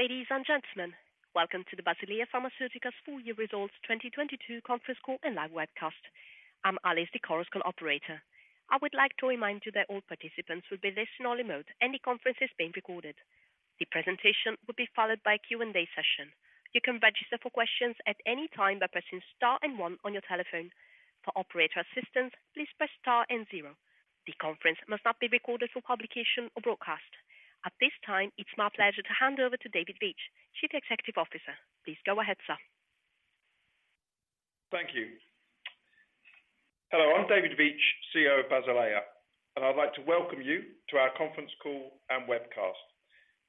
Ladies and gentlemen, welcome to the Basilea Pharmaceutica's full year results 2022 conference call and live webcast. I'm Alice, the conference call operator. I would like to remind you that all participants will be listened only mode and the conference is being recorded. The presentation will be followed by a Q&A session. You can register for questions at any time by pressing star and one on your telephone. For operator assistance, please press star and zero. The conference must not be recorded for publication or broadcast. At this time, it's my pleasure to hand over to David Veitch, Chief Executive Officer. Please go ahead, sir. Thank you. Hello, I'm David Veitch, CEO of Basilea, and I'd like to welcome you to our conference call and webcast.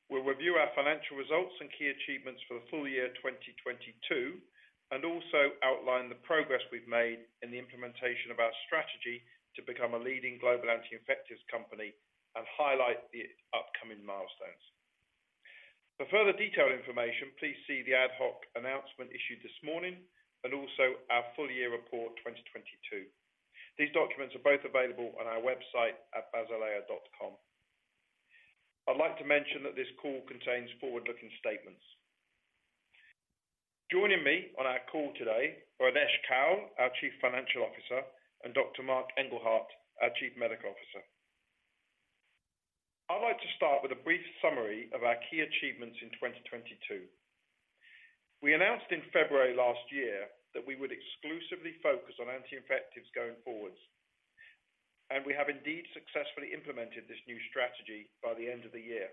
We'll review our financial results and key achievements for the full year 2022, also outline the progress we've made in the implementation of our strategy to become a leading global anti-infectives company and highlight the upcoming milestones. For further detailed information, please see the ad hoc announcement issued this morning and also our full year report 2022. These documents are both available on our website at basilea.com. I'd like to mention that this call contains forward-looking statements. Joining me on our call today are Adesh Kaul, our Chief Financial Officer, and Dr. Marc Engelhardt, our Chief Medical Officer. I'd like to start with a brief summary of our key achievements in 2022. We announced in February last year that we would exclusively focus on anti-infectives going forwards, and we have indeed successfully implemented this new strategy by the end of the year.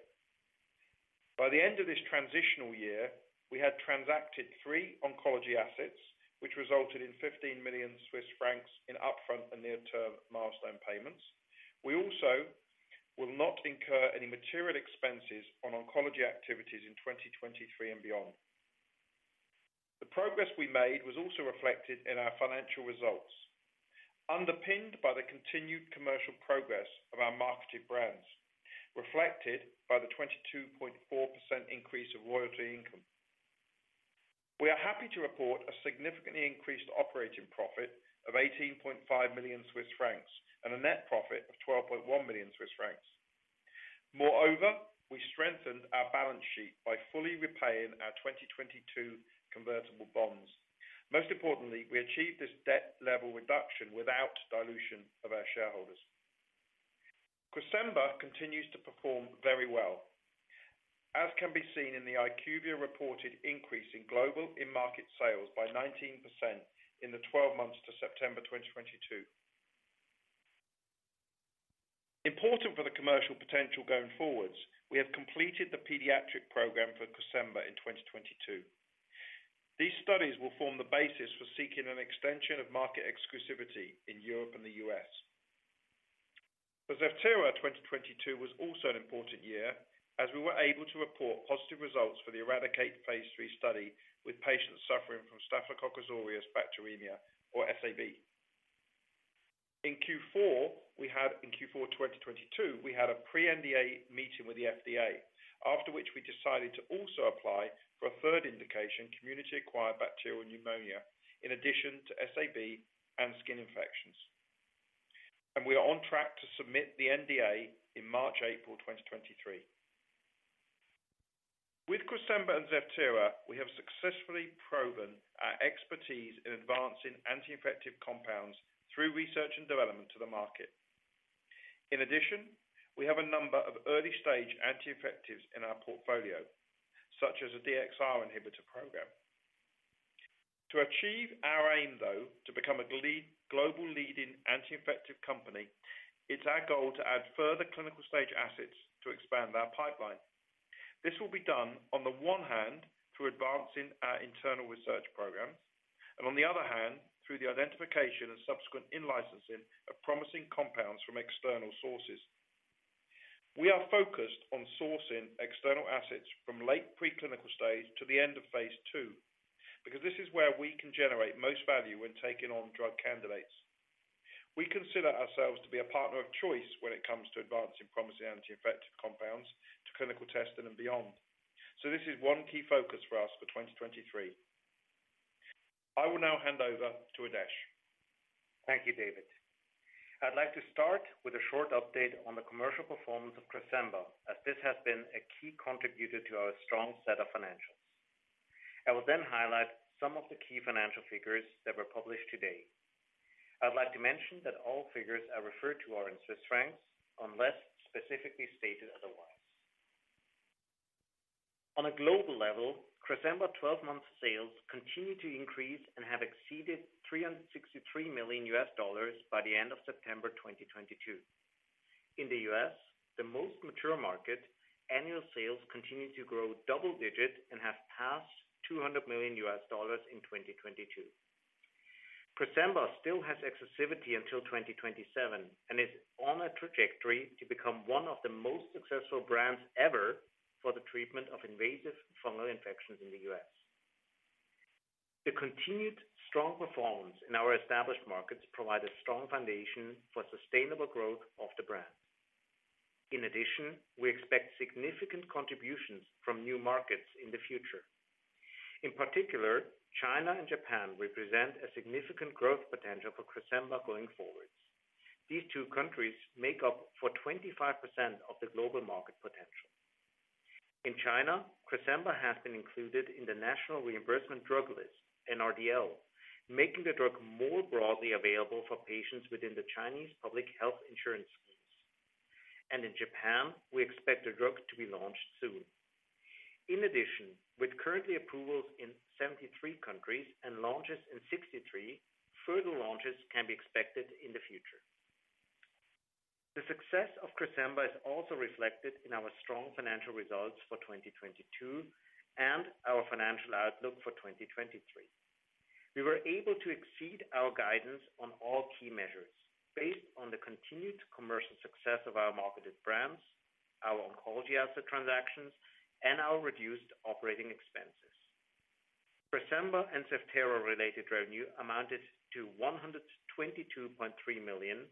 By the end of this transitional year, we had transacted three oncology assets, which resulted in 15 million Swiss francs in upfront and near term milestone payments. We also will not incur any material expenses on oncology activities in 2023 and beyond. The progress we made was also reflected in our financial results. Underpinned by the continued commercial progress of our marketed brands, reflected by the 22.4% increase of royalty income. We are happy to report a significantly increased operating profit of 18.5 million Swiss francs and a net profit of 12.1 million Swiss francs. Moreover, we strengthened our balance sheet by fully repaying our 2022 convertible bonds. Most importantly, we achieved this debt level reduction without dilution of our shareholders. Cresemba continues to perform very well, as can be seen in the IQVIA reported increase in global in-market sales by 19% in the 12 months to September 2022. Important for the commercial potential going forwards, we have completed the pediatric program for Cresemba in 2022. These studies will form the basis for seeking an extension of market exclusivity in Europe and the U.S. For Zevtera, 2022 was also an important year as we were able to report positive results for the ERADICATE phase III study with patients suffering from Staphylococcus aureus bacteremia or SAB. In Q4 2022, we had a pre-NDA meeting with the FDA, after which we decided to also apply for a third indication, community-acquired bacterial pneumonia, in addition to SAB and skin infections. We are on track to submit the NDA in March, April 2023. With Cresemba and Zevtera, we have successfully proven our expertise in advancing anti-infective compounds through research and development to the market. In addition, we have a number of early-stage anti-infectives in our portfolio, such as a DXR inhibitor program. To achieve our aim, though, to become a global leading anti-infective company, it's our goal to add further clinical stage assets to expand our pipeline. This will be done on the one hand through advancing our internal research programs and on the other hand through the identification and subsequent in-licensing of promising compounds from external sources. We are focused on sourcing external assets from late preclinical stage to the end of phase II, because this is where we can generate most value when taking on drug candidates. We consider ourselves to be a partner of choice when it comes to advancing promising anti-infective compounds to clinical testing and beyond. This is one key focus for us for 2023. I will now hand over to Adesh. Thank you, David. I'd like to start with a short update on the commercial performance of Cresemba, as this has been a key contributor to our strong set of financials. I will then highlight some of the key financial figures that were published today. I'd like to mention that all figures I refer to are in Swiss francs, unless specifically stated otherwise. On a global level, Cresemba 12-month sales continue to increase and have exceeded $363 million by the end of September 2022. In the U.S., the most mature market, annual sales continue to grow double digits and have passed $200 million in 2022. Cresemba still has exclusivity until 2027 and is on a trajectory to become one of the most successful brands ever for the treatment of invasive fungal infections in the U.S. The continued strong performance in our established markets provide a strong foundation for sustainable growth of the brand. We expect significant contributions from new markets in the future. In particular, China and Japan represent a significant growth potential for Cresemba going forward. These two countries make up for 25% of the global market potential. In China, Cresemba has been included in the National Reimbursement Drug List, NRDL, making the drug more broadly available for patients within the Chinese public health insurance schemes. In Japan, we expect the drug to be launched soon. With currently approvals in 73 countries and launches in 63, further launches can be expected in the future. The success of Cresemba is also reflected in our strong financial results for 2022 and our financial outlook for 2023. We were able to exceed our guidance on all key measures based on the continued commercial success of our marketed brands, our oncology asset transactions, and our reduced operating expenses. Cresemba and Zevtera-related revenue amounted to 122.3 million,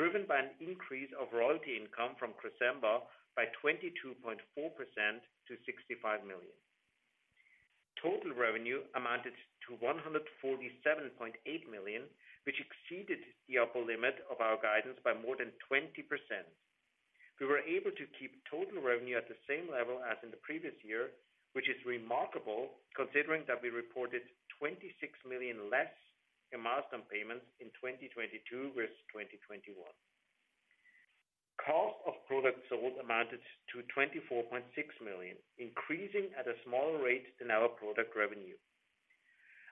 driven by an increase of royalty income from Cresemba by 22.4% to 65 million. Total revenue amounted to 147.8 million, which exceeded the upper limit of our guidance by more than 20%. We were able to keep total revenue at the same level as in the previous year, which is remarkable considering that we reported 26 million less in milestone payments in 2022 versus 2021. Cost of products sold amounted to 24.6 million, increasing at a smaller rate than our product revenue.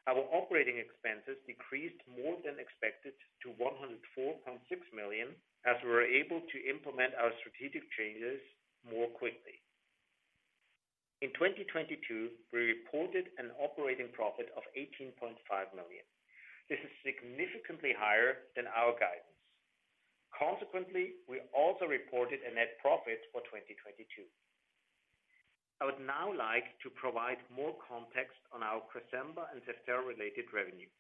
Our operating expenses decreased more than expected to 104.6 million, as we were able to implement our strategic changes more quickly. In 2022, we reported an operating profit of 18.5 million. This is significantly higher than our guidance. Consequently, we also reported a net profit for 2022. I would now like to provide more context on our Cresemba and Zevtera-related revenues.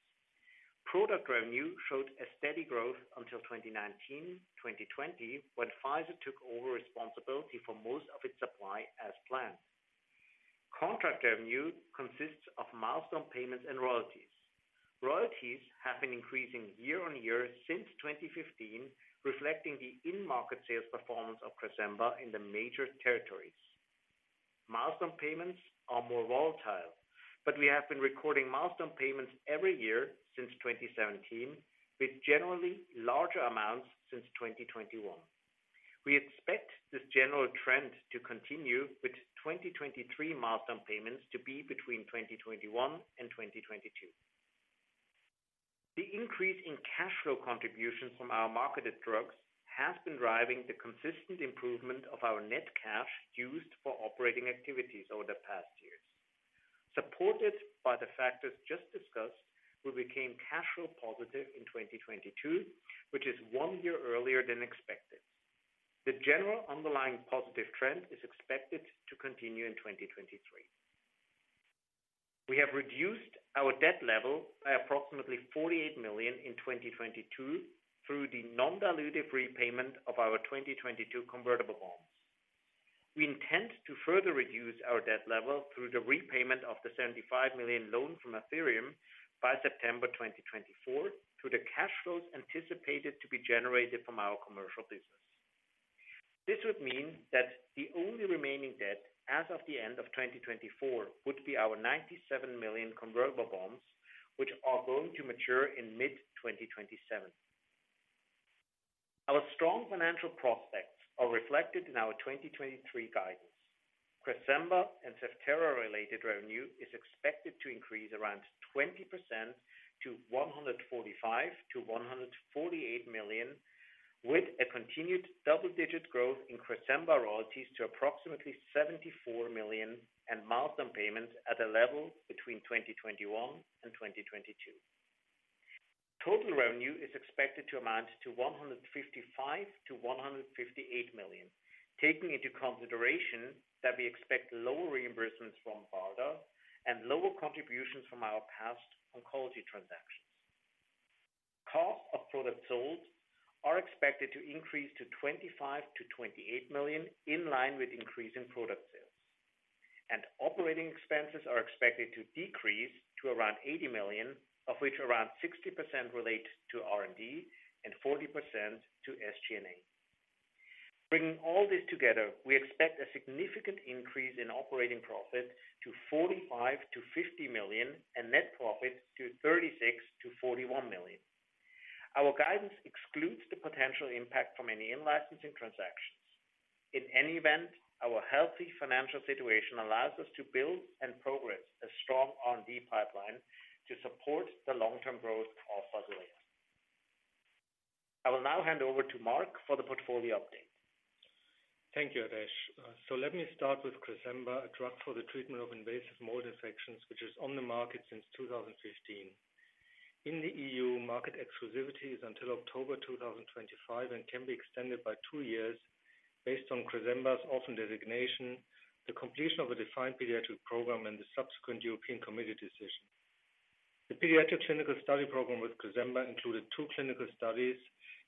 Product revenue showed a steady growth until 2019, 2020, when Pfizer took over responsibility for most of its supply as planned. Contract revenue consists of milestone payments and royalties. Royalties have been increasing year-on-year since 2015, reflecting the in-market sales performance of Cresemba in the major territories. Milestone payments are more volatile, but we have been recording milestone payments every year since 2017, with generally larger amounts since 2021. We expect this general trend to continue with 2023 milestone payments to be between 2021 and 2022. The increase in cash flow contributions from our marketed drugs has been driving the consistent improvement of our net cash used for operating activities over the past years. Supported by the factors just discussed, we became cash flow positive in 2022, which is one year earlier than expected. The general underlying positive trend is expected to continue in 2023. We have reduced our debt level by approximately 48 million in 2022 through the non-dilutive repayment of our 2022 convertible bonds. We intend to further reduce our debt level through the repayment of the 75 million loan from Athyrium by September 2024 through the cash flows anticipated to be generated from our commercial business. This would mean that the only remaining debt as of the end of 2024 would be our 97 million convertible bonds, which are going to mature in mid-2027. Our strong financial prospects are reflected in our 2023 guidance. Cresemba and Zevtera-related revenue is expected to increase around 20% to 145 million-148 million, with a continued double-digit growth in Cresemba royalties to approximately 74 million and milestone payments at a level between 2021 and 2022. Total revenue is expected to amount to 155 million-158 million, taking into consideration that we expect lower reimbursements from BARDA and lower contributions from our past oncology transactions. Cost of products sold are expected to increase to 25 million-28 million, in line with increase in product sales. Operating expenses are expected to decrease to around 80 million, of which around 60% relate to R&D and 40% to SG&A. Bringing all this together, we expect a significant increase in operating profit to 45 million-50 million and net profit to 36 million-41 million. Our guidance excludes the potential impact from any in-licensing transactions. In any event, our healthy financial situation allows us to build and progress a strong R&D pipeline to support the long-term growth of Basilea Pharmaceutica. I will now hand over to Marc for the portfolio update. Thank you, Adesh. Let me start with Cresemba, a drug for the treatment of invasive mold infections, which is on the market since 2015. In the EU, market exclusivity is until October 2025 and can be extended by two years based on Cresemba's orphan designation, the completion of a defined pediatric program, and the subsequent European committee decision. The pediatric clinical study program with Cresemba included two clinical studies,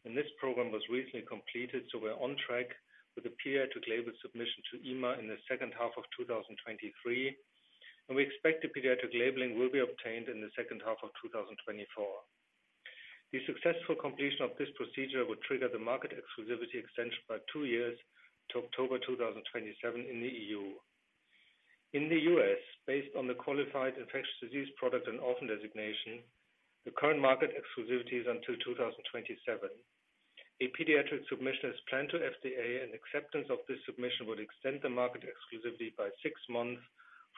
and this program was recently completed. We're on track with the pediatric label submission to EMA in the second half of 2023. We expect the pediatric labeling will be obtained in the second half of 2024. The successful completion of this procedure would trigger the market exclusivity extension by two years to October 2027 in the EU. In the U.S., based on the qualified infectious disease product and orphan designation, the current market exclusivity is until 2027. Acceptance of this submission would extend the market exclusivity by six months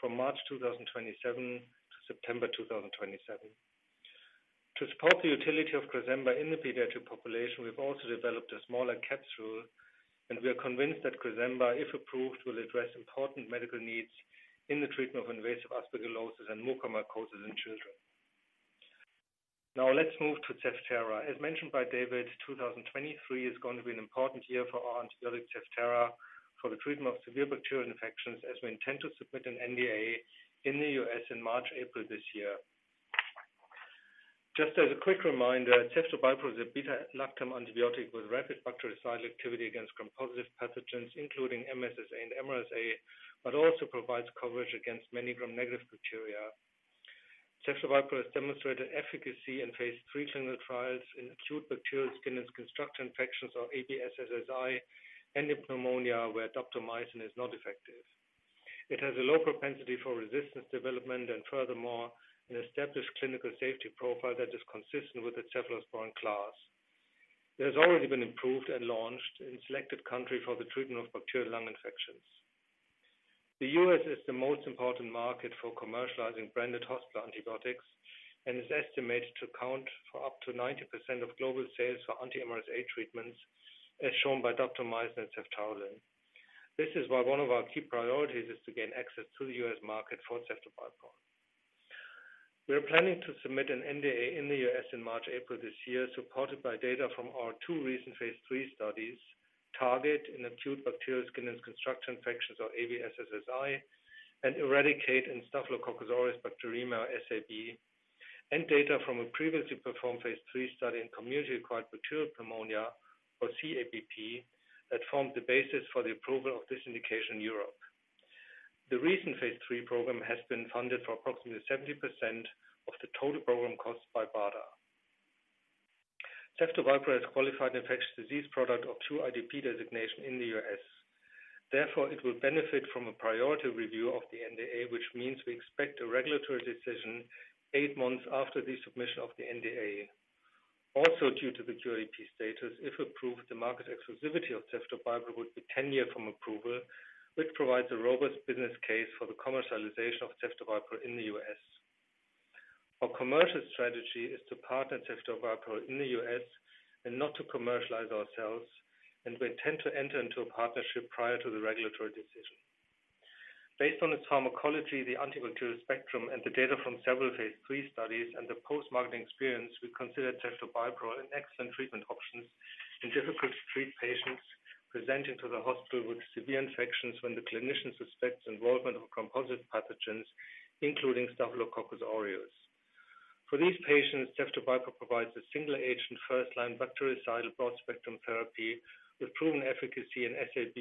from March 2027 to September 2027. To support the utility of Cresemba in the pediatric population, we've also developed a smaller capsule. We are convinced that Cresemba, if approved, will address important medical needs in the treatment of invasive aspergillosis and mucormycosis in children. Now let's move to Zevtera. As mentioned by David, 2023 is going to be an important year for our antibiotic Zevtera for the treatment of severe bacterial infections, as we intend to submit an NDA in the U.S. in March, April this year. Just as a quick reminder, ceftobiprole is a beta-lactam antibiotic with rapid bactericidal activity against gram-positive pathogens, including MSSA and MRSA, but also provides coverage against many gram-negative bacteria. Ceftobiprole has demonstrated efficacy in phase III clinical trials in acute bacterial skin and skin structure infections, or ABSSSI, and in pneumonia where daptomycin is not effective. Furthermore, an established clinical safety profile that is consistent with the cephalosporin class. It has already been approved and launched in selected countries for the treatment of bacterial lung infections. The U.S. is the most important market for commercializing branded hospital antibiotics and is estimated to account for up to 90% of global sales for anti-MRSA treatments, as shown by daptomycin and ceftaroline. This is why one of our key priorities is to gain access to the U.S. market for ceftobiprole. We are planning to submit an NDA in the U.S. in March, April this year, supported by data from our two recent phase III studies, TARGET in acute bacterial skin and skin structure infections, or ABSSSI, and ERADICATE in Staphylococcus aureus bacteremia, SAB, and data from a previously performed phase III study in community-acquired bacterial pneumonia, or CABP, that formed the basis for the approval of this indication in Europe. The recent phase III program has been funded for approximately 70% of the total program costs by BARDA. Ceftobiprole has Qualified Infectious Disease Product or QIDP designation in the U.S. It will benefit from a priority review of the NDA, which means we expect a regulatory decision eight months after the submission of the NDA. Due to the QIDP status, if approved, the market exclusivity of ceftobiprole would be 10 years from approval, which provides a robust business case for the commercialization of ceftobiprole in the U.S. Our commercial strategy is to partner ceftobiprole in the U.S. and not to commercialize ourselves. We intend to enter into a partnership prior to the regulatory decision. Based on its pharmacology, the antibacterial spectrum, and the data from several phase III studies and the post-marketing experience, we consider ceftobiprole an excellent treatment option in difficult-to-treat patients presenting to the hospital with severe infections when the clinician suspects involvement of gram-positive pathogens, including Staphylococcus aureus. For these patients, ceftobiprole provides a single-agent, first-line, bactericidal, broad-spectrum therapy with proven efficacy in SAB,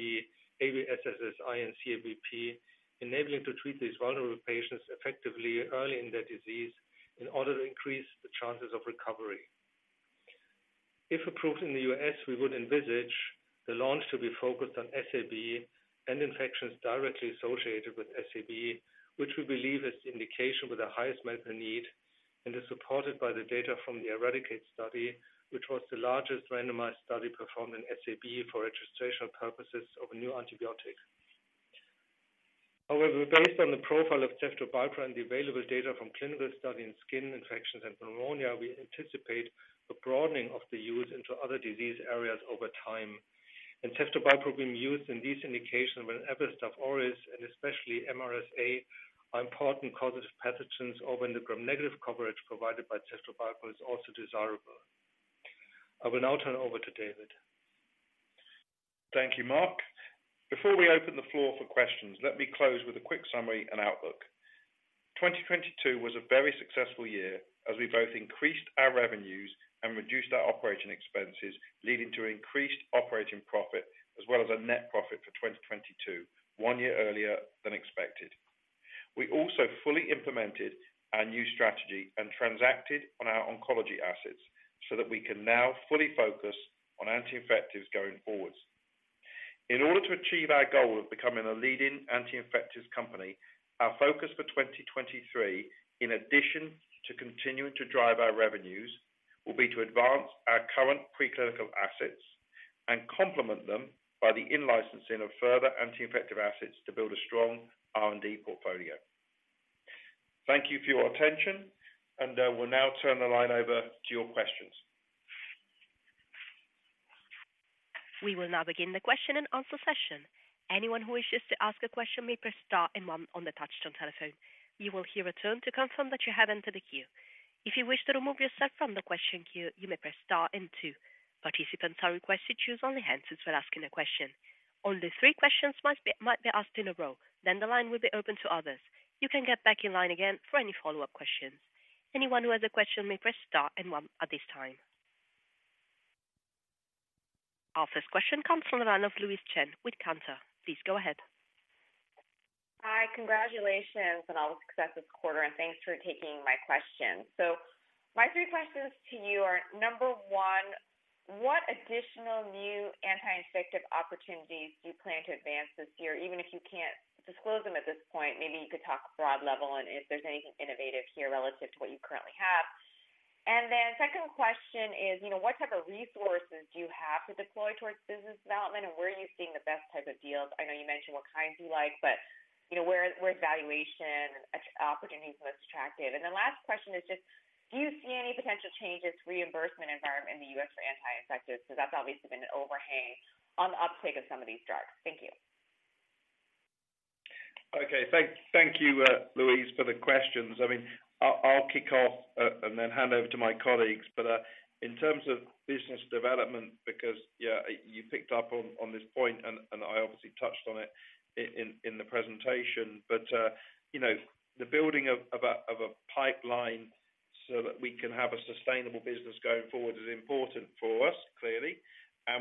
ABSSSI, and CABP, enabling to treat these vulnerable patients effectively early in their disease in order to increase the chances of recovery. If approved in the U.S., we would envisage the launch to be focused on SAB and infections directly associated with SAB, which we believe is the indication with the highest medical need and is supported by the data from the ERADICATE study, which was the largest randomized study performed in SAB for registration purposes of a new antibiotic. However, based on the profile of ceftobiprole and the available data from clinical studies in skin infections and pneumonia, we anticipate a broadening of the use into other disease areas over time, and ceftobiprole being used in these indications when Staphylococcus aureus and especially MRSA are important causes of pathogens or when the gram-negative coverage provided by ceftobiprole is also desirable. I will now turn over to David. Thank you, Marc. Before we open the floor for questions, let me close with a quick summary and outlook. 2022 was a very successful year as we both increased our revenues and reduced our OpEx, leading to increased operating profit as well as a net profit for 2022, one year earlier than expected. We also fully implemented our new strategy and transacted on our oncology assets so that we can now fully focus on anti-infectives going forwards. In order to achieve our goal of becoming a leading anti-infectives company, our focus for 2023, in addition to continuing to drive our revenues, will be to advance our current preclinical assets and complement them by the in-licensing of further anti-infective assets to build a strong R&D portfolio. Thank you for your attention. We'll now turn the line over to your questions. We will now begin the question-and-answer session. Anyone who wishes to ask a question may press star and one on the touchtone telephone. You will hear a tone to confirm that you have entered the queue. If you wish to remove yourself from the question queue, you may press star and two. Participants are requested to use only hand for asking a question. Only three questions might be asked in a row, then the line will be open to others. You can get back in line again for any follow-up questions. Anyone who has a question may press star and one at this time. Our first question comes from the line of Louise Chen with Cantor. Please go ahead. Hi, congratulations on all the success this quarter. Thanks for taking my question. My three questions to you are, number one, what additional new anti-infective opportunities do you plan to advance this year? Even if you can't disclose them at this point, maybe you could talk broad level and if there's anything innovative here relative to what you currently have. Second question is, you know, what type of resources do you have to deploy towards business development and where are you seeing the best type of deals? I know you mentioned what kinds you like, but you know, where is valuation opportunities most attractive? The last question is just do you see any potential changes to reimbursement environment in the U.S. for anti-infectives? That's obviously been an overhang on the uptake of some of these drugs. Thank you. Okay. Thank you, Louise, for the questions. I'll kick off and then hand over to my colleagues. In terms of business development, because yeah, you picked up on this point and I obviously touched on it in the presentation, you know, the building of a pipeline so that we can have a sustainable business going forward is important for us, clearly.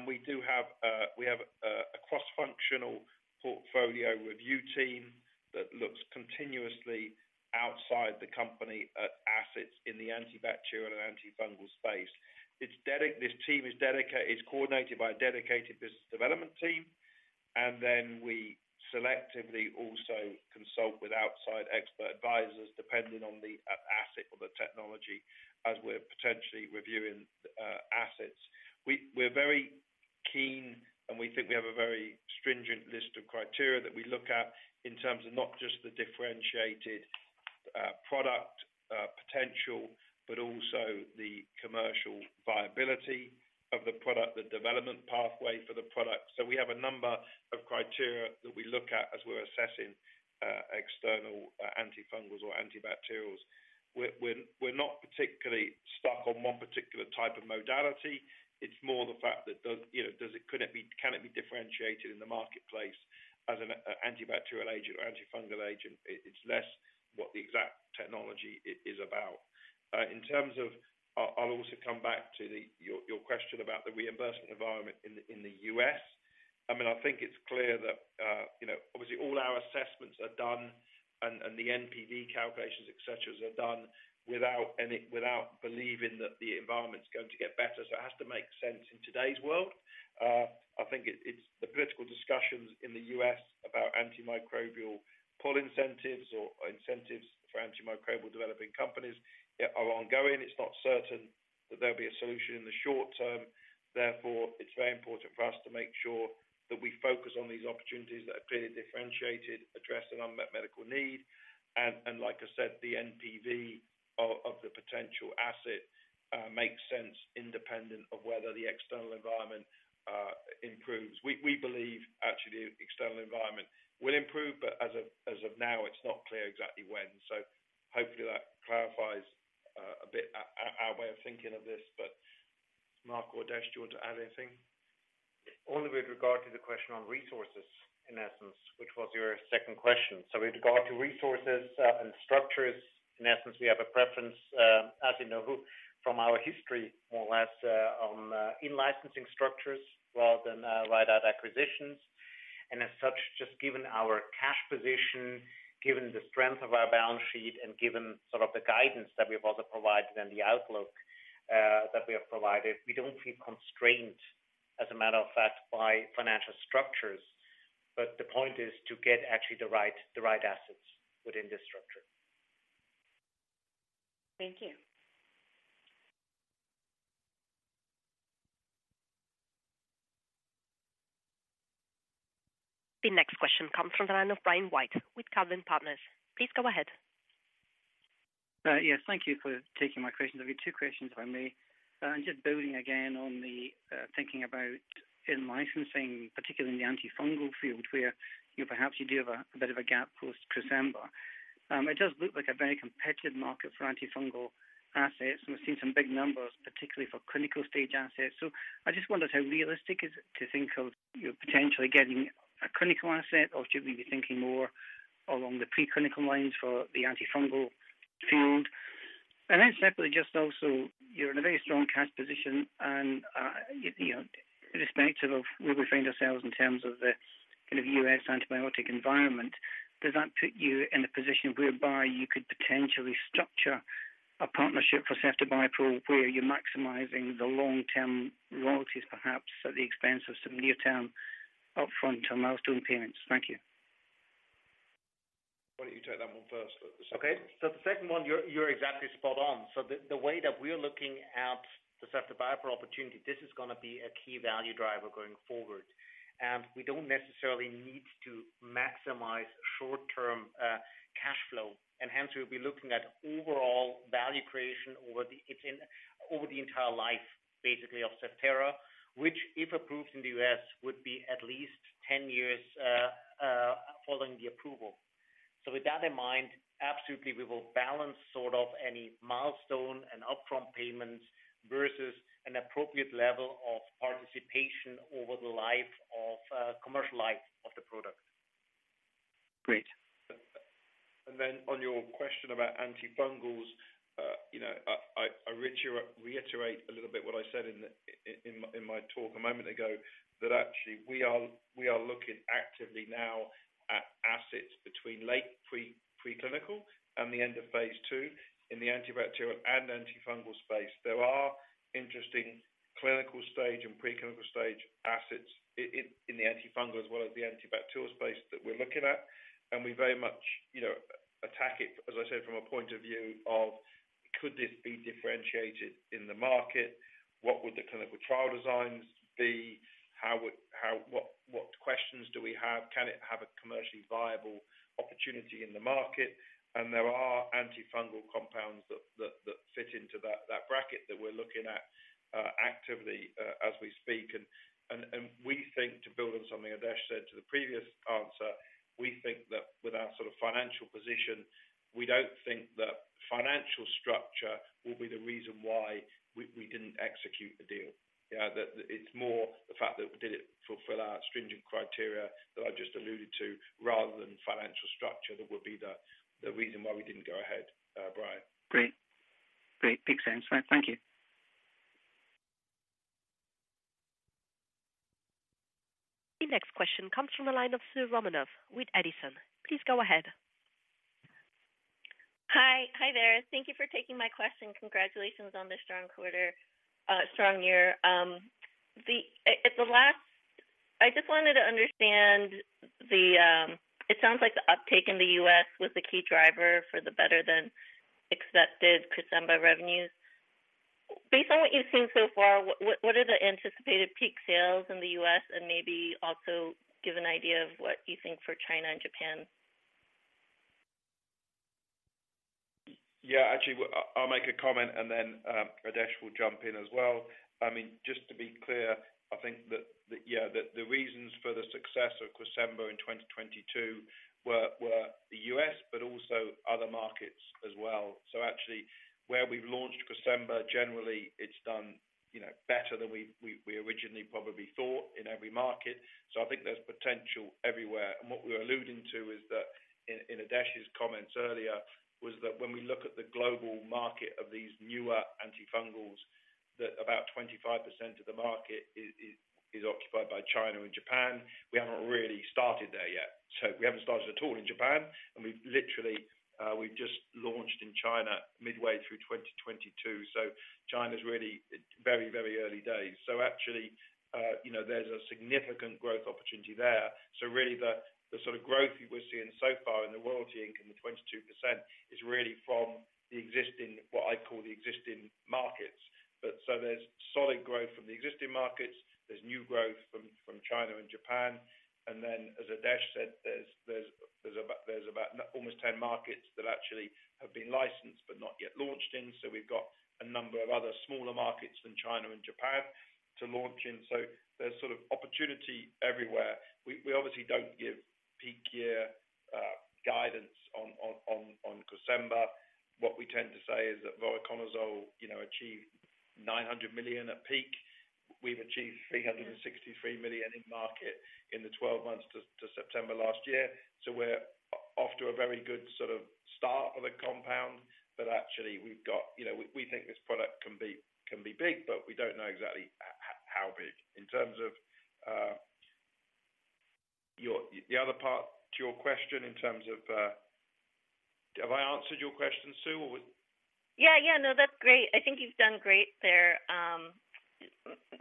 We do have a cross-functional portfolio review team that looks continuously outside the company at assets in the antibacterial and antifungal space. This team is dedicated, is coordinated by a dedicated business development team, and then we selectively also consult with outside expert advisors, depending on the asset or the technology as we're potentially reviewing assets. We're very keen. We think we have a very stringent list of criteria that we look at in terms of not just the differentiated product potential, but also the commercial viability of the product, the development pathway for the product. We have a number of criteria that we look at as we're assessing external antifungals or antibacterials. We're not particularly stuck on one particular type of modality. It's more the fact that, you know, can it be differentiated in the marketplace as an antibacterial agent or antifungal agent? It's less what the exact technology it is about. I'll also come back to your question about the reimbursement environment in the U.S. I mean, I think it's clear that, you know, obviously all our assessments are done and the NPV calculations, et cetera, are done without believing that the environment's going to get better. It has to make sense in today's world. I think it's the political discussions in the U.S. about antimicrobial pull incentives or incentives for antimicrobial developing companies are ongoing. It's not certain that there'll be a solution in the short term. Therefore, it's very important for us to make sure that we focus on these opportunities that are clearly differentiated, address an unmet medical need, and like I said, the NPV of the potential asset makes sense independent of whether the external environment improves. We believe actually the external environment will improve, but as of now, it's not clear exactly when. Hopefully that clarifies a bit our way of thinking of this. Marc or Adesh, do you want to add anything? Only with regard to the question on resources, in essence, which was your second question. With regard to resources and structures, in essence, we have a preference, as you know, from our history, more or less, on in-licensing structures rather than write-out acquisitions. As such, just given our cash position, given the strength of our balance sheet and given sort of the guidance that we've also provided and the outlook that we have provided, we don't feel constrained, as a matter of fact, by financial structures. The point is to get actually the right assets within this structure. Thank you. The next question comes from the line of Brian White with Calvine Partners. Please go ahead. Yes, thank you for taking my questions. I have two questions, if I may. Just building again on the thinking about in-licensing, particularly in the antifungal field where, you know, perhaps you do have a bit of a gap post Cresemba. It does look like a very competitive market for antifungal assets, and we've seen some big numbers, particularly for clinical stage assets. I just wondered how realistic is it to think of, you know, potentially getting a clinical asset, or should we be thinking more along the preclinical lines for the antifungal field? Separately, just also, you're in a very strong cash position and, you know, irrespective of where we find ourselves in terms of the kind of U.S. antibiotic environment, does that put you in a position whereby you could potentially structure a partnership for ceftobiprole where you're maximizing the long-term royalties, perhaps at the expense of some near-term upfront or milestone payments? Thank you. Why don't you take that one first, the second one. Okay. The second one, you're exactly spot on. The way that we're looking at the ceftobiprole opportunity, this is gonna be a key value driver going forward. We don't necessarily need to maximize short-term cash flow, and hence we'll be looking at overall value creation over the entire life, basically, of Zevtera, which if approved in the U.S., would be at least 10 years following the approval. With that in mind, absolutely we will balance sort of any milestone and upfront payments versus an appropriate level of participation over the life of commercial life of the product. Great. On your question about antifungals, you know, I reiterate a little bit what I said in my talk a moment ago, that actually we are looking actively now at assets between late preclinical and the end of phase II in the antibacterial and antifungal space. There are interesting clinical stage and preclinical stage assets in the antifungal as well as the antibacterial space that we're looking at. We very much, you know, attack it, as I said, from a point of view of could this be differentiated in the market? What would the clinical trial designs be? How would what questions do we have? Can it have a commercially viable opportunity in the market? There are antifungal compounds that fit into that bracket that we're looking at actively as we speak. We think to build on something Adesh said to the previous answer, we think that with our sort of financial position, we don't think that financial structure will be the reason why we didn't execute the deal. Yeah, that it's more the fact that did it fulfill our stringent criteria that I just alluded to rather than financial structure that would be the reason why we didn't go ahead, Brian. Great. Makes sense. Thank you. The next question comes from the line of Soo Romanoff with Edison. Please go ahead. Hi. Hi there. Thank you for taking my question. Congratulations on the strong quarter, strong year. I just wanted to understand, it sounds like the uptake in the U.S. was the key driver for the better than accepted Cresemba revenues. Based on what you've seen so far, what are the anticipated peak sales in the U.S. and maybe also give an idea of what you think for China and Japan? Yeah, actually, I'll make a comment and then Adesh will jump in as well. I mean, just to be clear, I think that, yeah, the reasons for the success of Cresemba in 2022 were the U.S., but also other markets as well. Actually where we've launched Cresemba, generally it's done, you know, better than we originally probably thought in every market. I think there's potential everywhere. What we're alluding to is that in Adesh's comments earlier, was that when we look at the global market of these newer antifungals, that about 25% of the market is occupied by China and Japan. We haven't really started there yet. We haven't started at all in Japan, and we've literally, we've just launched in China midway through 2022. China's really very early days. Actually, you know, there's a significant growth opportunity there. Really the sort of growth we're seeing so far in the royalty income of 22% is really from what I call the existing markets. There's solid growth from the existing markets. There's new growth from China and Japan. Then as Adesh said, there's about almost 10 markets that actually have been licensed but not yet launched in. We've got a number of other smaller markets than China and Japan to launch in. There's sort of opportunity everywhere. We obviously don't give peak year guidance on Cresemba. What we tend to say is that voriconazole, you know, achieved $900 million at peak. We've achieved $363 million in market in the 12 months to September last year. We're off to a very good sort of start of the compound. Actually, you know, we think this product can be big, but we don't know exactly how big. In terms of the other part to your question. Have I answered your question, Soo? Yeah, that's great. I think you've done great there.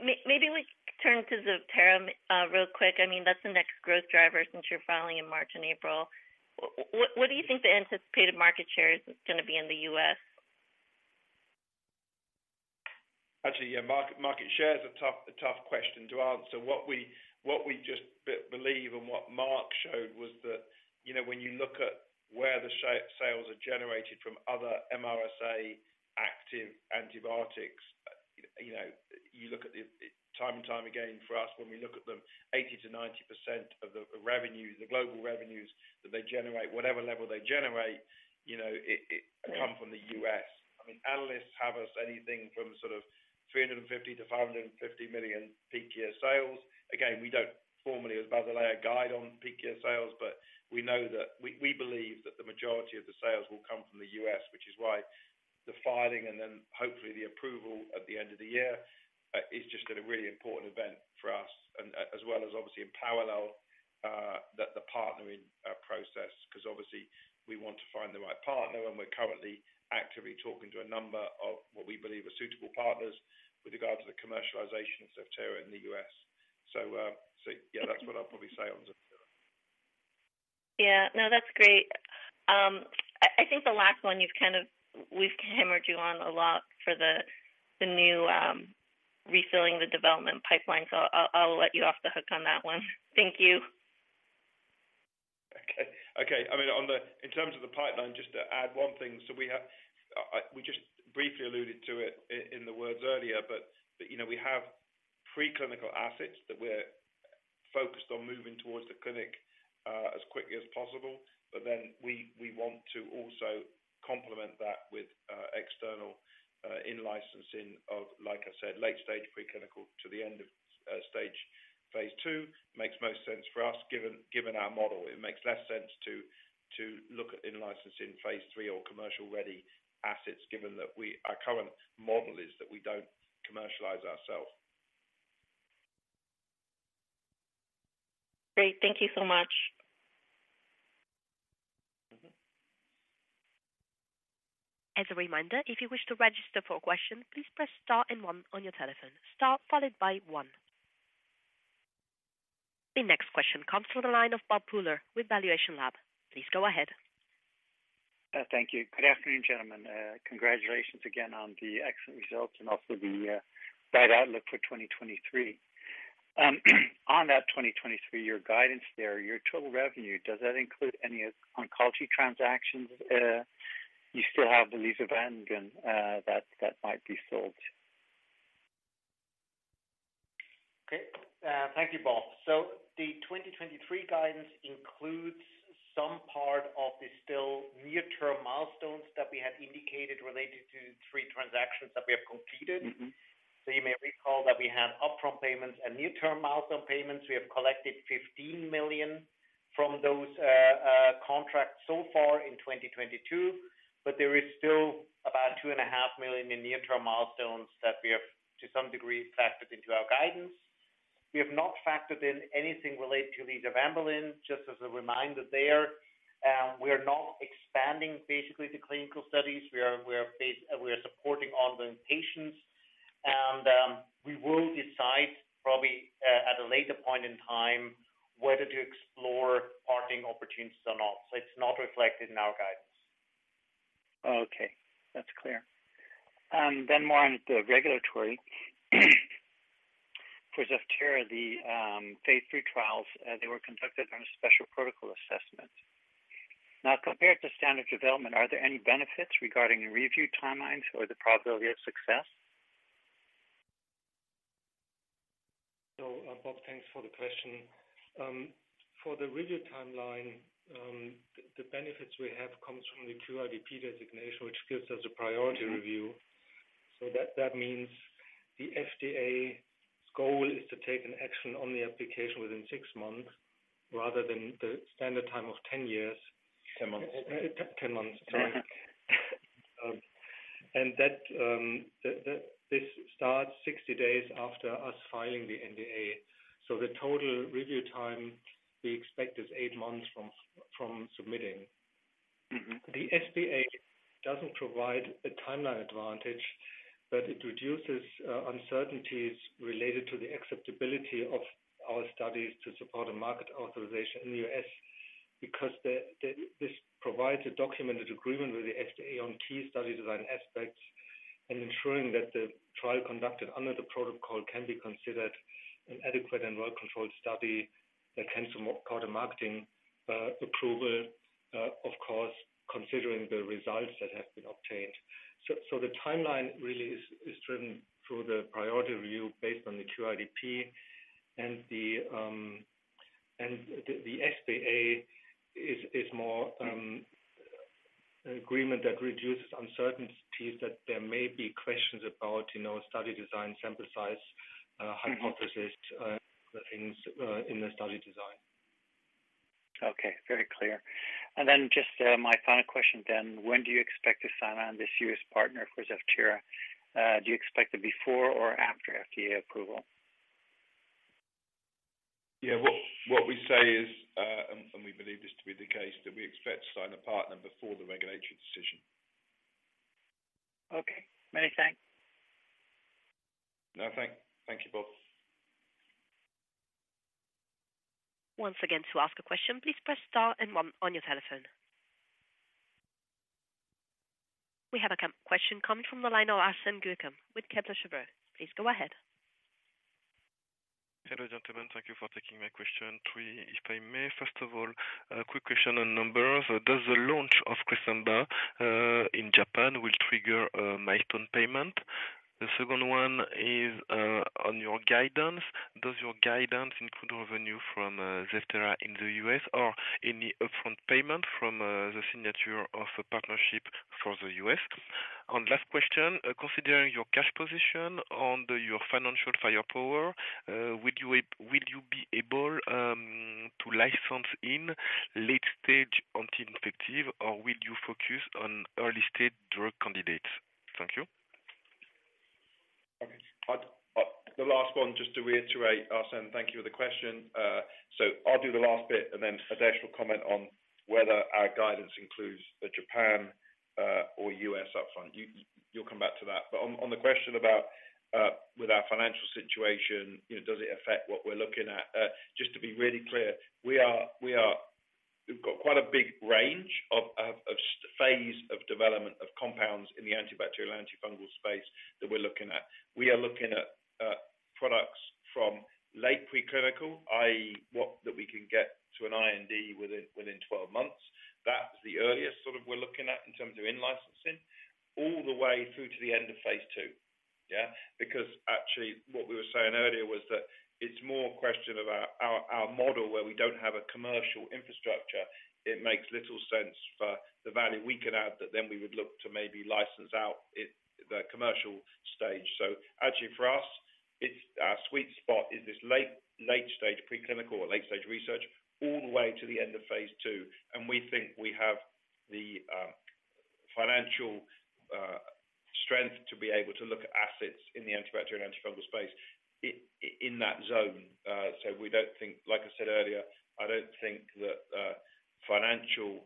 Maybe we turn to Zevtera, real quick. I mean, that's the next growth driver since you're filing in March and April. What do you think the anticipated market share is gonna be in the U.S.? Actually, yeah. Market share is a tough question to answer. What we just believe and what Marc showed was that, you know, when you look at where the sales are generated from other MRSA-active antibiotics, you know, you look at it time and time again for us, when we look at them, 80%-90% of the revenues, the global revenues that they generate, whatever level they generate, you know, it come from the U.S. I mean, analysts have us anything from sort of $350 million-$550 million peak year sales. We don't formally as Basilea guide on peak year sales, but we know that we believe that the majority of the sales will come from the U.S., which is why the filing and then hopefully the approval at the end of the year is just a really important event for us. As well as obviously in parallel that the partnering process, 'cause obviously we want to find the right partner, and we're currently actively talking to a number of what we believe are suitable partners with regards to the commercialization of Zevtera in the U.S. Yeah, that's what I'll probably say on Zevtera. Yeah. No, that's great. I think the last one we've hammered you on a lot for the new, refilling the development pipeline. I'll let you off the hook on that one. Thank you. Okay. I mean, in terms of the pipeline, just to add one thing. We just briefly alluded to it in the words earlier, but, you know, we have preclinical assets that we're focused on moving towards the clinic as quickly as possible. We want to also complement that with external in-licensing of, like I said, late-stage preclinical to the end of phase II. Makes most sense for us given our model. It makes less sense to look at in-licensing phase III or commercial-ready assets, given that our current model is that we don't commercialize ourselves. Great. Thank you so much. As a reminder, if you wish to register for a question, please press star and one on your telephone. Star followed by one. The next question comes from the line of Bob Pooler with valuationLAB. Please go ahead. Thank you. Good afternoon, gentlemen. Congratulations again on the excellent results and also the bright outlook for 2023. On that 2023 year guidance there, your total revenue, does that include any of oncology transactions? You still have the lisavanbulin that might be sold. Okay. Thank you, Bob. The 2023 guidance includes some part of the still near-term milestones that we had indicated related to three transactions that we have completed. You may recall that we had upfront payments and near-term milestone payments. We have collected 15 million from those contracts so far in 2022, There is still about 2.5 million in near-term milestones that we have to some degree factored into our guidance. We have not factored in anything related to lisavanbulin, just as a reminder there. We're not expanding basically the clinical studies. We are supporting ongoing patients, and we will decide probably at a later point in time whether to explore parting opportunities or not. It's not reflected in our guidance. Okay. That's clear. More on the regulatory. For Zevtera, the phase III trials, they were conducted on a Special Protocol Assessment. Now, compared to standard development, are there any benefits regarding review timelines or the probability of success? Bob, thanks for the question. For the review timeline, the benefits we have comes from the QIDP designation, which gives us a priority review. That means the FDA's goal is to take an action on the application within six months rather than the standard time of 10 years. Ten months. Ten months, sorry. That this starts 60 days after us filing the NDA. The total review time we expect is eight months from submitting. Mm-hmm. The SPA doesn't provide a timeline advantage, but it reduces uncertainties related to the acceptability of our studies to support a market authorization in the U.S. because this provides a documented agreement with the FDA on key study design aspects and ensuring that the trial conducted under the protocol can be considered an adequate and well-controlled study that can support a marketing approval, of course, considering the results that have been obtained. The timeline really is driven through the priority review based on the QIDP and the SPA is more agreement that reduces uncertainties that there may be questions about, you know, study design, sample size, hypothesis, things in the study design. Okay. Very clear. Just, my final question then. When do you expect to sign on this U.S. partner for Zevtera? Do you expect it before or after FDA approval? Yeah. What we say is, and we believe this to be the case, that we expect to sign a partner before the regulatory decision. Okay. Many thanks. Thank you, Bob. Once again, to ask a question, please press star one on your telephone. We have a question coming from the line of Arsene Guekam with Kepler Cheuvreux. Please go ahead. Hello, gentlemen. Thank you for taking my question. Three, if I may. First of all, a quick question on numbers. Does the launch of Cresemba in Japan will trigger a milestone payment? The second one is on your guidance. Does your guidance include revenue from Zevtera in the U.S. or any upfront payment from the signature of a partnership for the U.S.? Last question, considering your cash position and your financial firepower, will you be able to license in late-stage anti-infective or will you focus on early-stage drug candidates? Thank you. The last one, just to reiterate, Arsene, thank you for the question. I'll do the last bit, and then Adesh will comment on whether our guidance includes the Japan or U.S. upfront. You, you'll come back to that. On the question about, with our financial situation, you know, does it affect what we're looking at? Just to be really clear, we've got quite a big range of phase of development of compounds in the antibacterial, antifungal space that we're looking at. We are looking at products from late preclinical, i.e., that we can get to an IND within 12 months. That's the earliest sort of we're looking at in terms of in-licensing. All the way through to the end of phase II. Actually what we were saying earlier was that it's more a question about our model, where we don't have a commercial infrastructure. It makes little sense for the value we can add that then we would look to maybe license out the commercial stage. Actually for us, it's our sweet spot is this late stage preclinical or late stage research all the way to the end of phase II. We think we have the financial strength to be able to look at assets in the antibacterial and antifungal space in that zone. Like I said earlier, I don't think that financial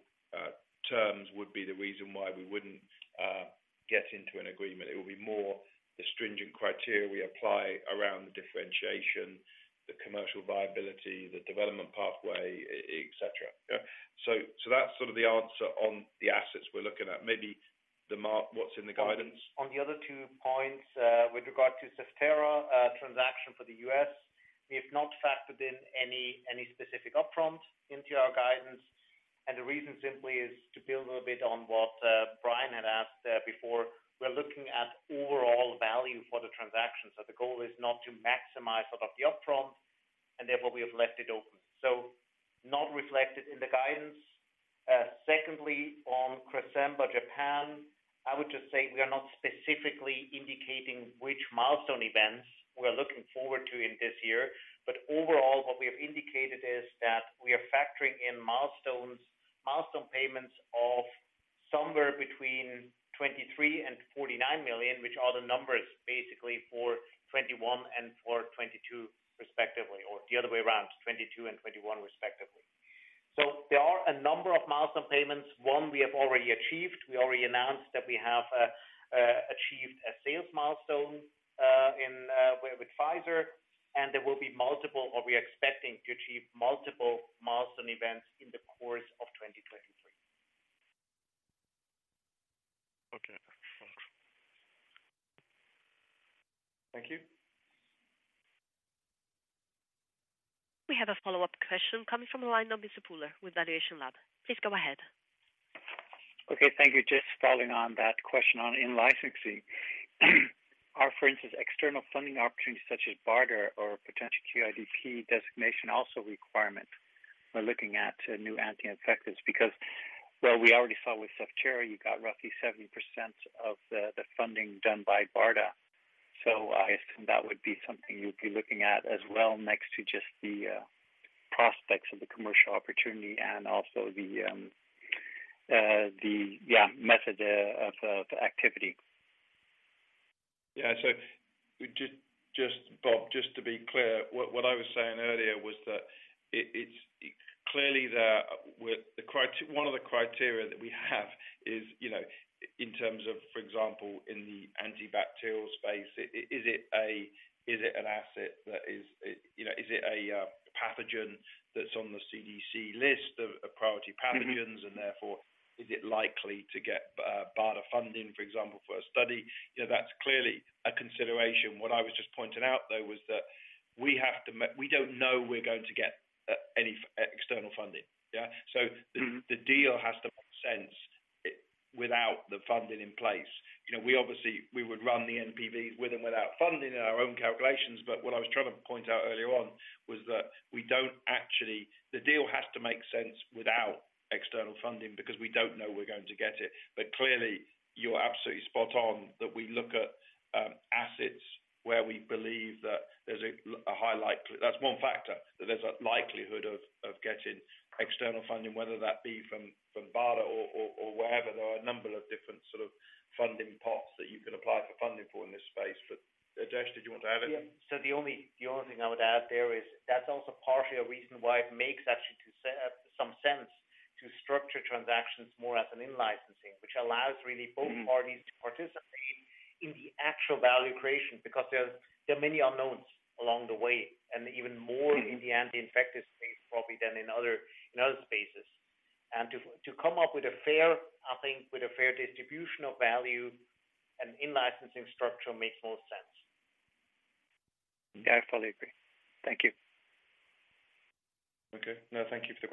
terms would be the reason why we wouldn't get into an agreement. It would be more the stringent criteria we apply around the differentiation, the commercial viability, the development pathway, et cetera. Yeah. That's sort of the answer on the assets we're looking at. Maybe Marc, what's in the guidance. On the other two points, with regard to Zevtera, transaction for the U.S., we have not factored in any specific upfront into our guidance. The reason simply is to build a little bit on what Brian had asked before. We're looking at overall value for the transaction. The goal is not to maximize sort of the upfront and therefore we have left it open. Not reflected in the guidance. Secondly, on Cresemba, Japan, I would just say we are not specifically indicating which milestone events we're looking forward to in this year. Overall, what we have indicated is that we are factoring in milestones, milestone payments of somewhere between 23 million and 49 million, which are the numbers basically for 2021 and for 2022 respectively, or the other way around, 2022 and 2021 respectively. There are a number of milestone payments. One we have already achieved. We already announced that we have achieved a sales milestone in with Pfizer, and there will be multiple or we are expecting to achieve multiple milestone events in the course of 2023. Okay. Thanks. Thank you. We have a follow-up question coming from the line of Mr. Pooler with valuationLAB. Please go ahead. Thank you. Just following on that question on in-licensing. Are, for instance, external funding opportunities such as BARDA or potential QIDP designation also requirement for looking at new anti-infectives? Well, we already saw with Zevtera, you got roughly 70% of the funding done by BARDA. I assume that would be something you'd be looking at as well, next to just the prospects of the commercial opportunity and also the method of the activity. Just, Bob, just to be clear, what I was saying earlier was that it's clearly one of the criteria that we have is, you know, in terms of, for example, in the antibacterial space, is it an asset that is, you know, is it a pathogen that's on the CDC list of priority pathogens and therefore is it likely to get BARDA funding, for example, for a study? You know, that's clearly a consideration. What I was just pointing out, though, was that we have to we don't know we're going to get any external funding. The deal has to make sense without the funding in place. You know, we obviously we would run the NPV with and without funding in our own calculations. What I was trying to point out earlier on was that we don't actually. The deal has to make sense without external funding because we don't know we're going to get it. Clearly, you're absolutely spot on that we look at assets where we believe, that's one factor, that there's a likelihood of getting external funding, whether that be from BARDA or wherever. There are a number of different sort of funding pots that you can apply for funding for in this space. Adesh, did you want to add anything? The only thing I would add there is that's also partially a reason why it makes actually some sense to structure transactions more as an in-licensing, which allows really both parties to participate in the actual value creation, because there are many unknowns along the way, and even more in the anti-infectious space probably than in other spaces. To come up with a fair, I think with a fair distribution of value and in-licensing structure makes more sense. Yeah, I fully agree. Thank you. Okay. No, thank you for the question.